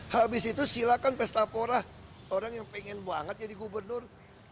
habis itu silakan pesta porah orang yang pengen banget jadi gubernur